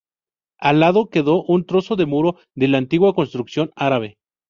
Al lado queda un trozo de muro de la antigua construcción árabe.